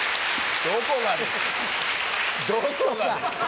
どこがですか？